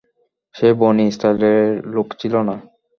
সে বনী ইসরাঈলের লোক ছিল না।